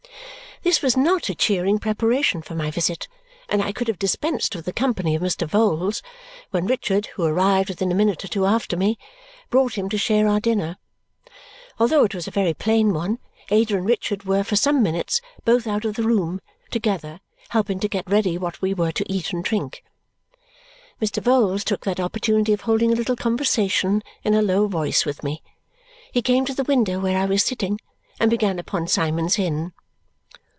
This was not a cheering preparation for my visit, and I could have dispensed with the company of Mr. Vholes, when Richard (who arrived within a minute or two after me) brought him to share our dinner. Although it was a very plain one, Ada and Richard were for some minutes both out of the room together helping to get ready what we were to eat and drink. Mr. Vholes took that opportunity of holding a little conversation in a low voice with me. He came to the window where I was sitting and began upon Symond's Inn.